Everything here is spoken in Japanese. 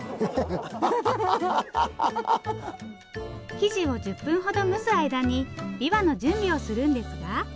生地を１０分ほど蒸す間にびわの準備をするんですが。